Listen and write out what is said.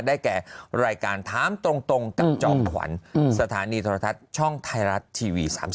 แก่รายการถามตรงกับจอมขวัญสถานีโทรทัศน์ช่องไทยรัฐทีวี๓๒